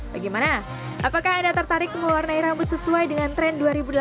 bagaimana apakah anda tertarik mewarnai rambut sesuai dengan tren dua ribu delapan belas